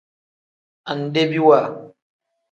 Andebiwa.